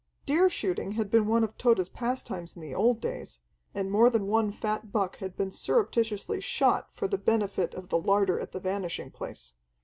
Deer shooting had been one of Tode's pastimes in the old days, and more than one fat buck had been surreptitiously shot for the benefit of the larder at the Vanishing Place.